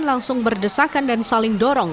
langsung berdesakan dan saling dorong